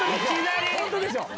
本当でしょ！